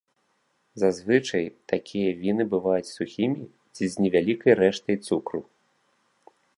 Зазвычай, такія віны бываюць сухімі ці з невялікай рэштай цукру.